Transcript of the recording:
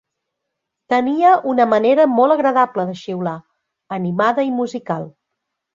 Tenia una manera molt agradable de xiular, animada i musical.